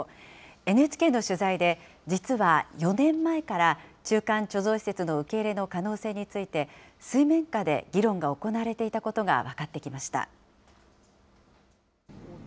ＮＨＫの取材で、実は４年前から中間貯蔵施設の受け入れの可能性について、水面下で議論が行われていたことが分かってきました。